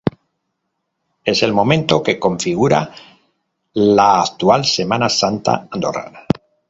Es el momento que configura la actual Semana Santa Andorrana.